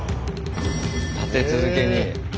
立て続けに。